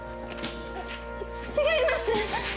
違います！